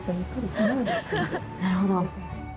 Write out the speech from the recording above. なるほど。